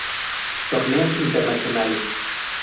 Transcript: Torneos internacionales